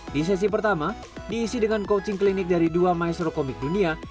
di sesi pertama diisi dengan coaching klinik dari dua maestro komik dunia